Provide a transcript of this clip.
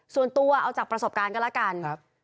ส่วนตัวเอาจากประสบการณ์ก็แล้วกัน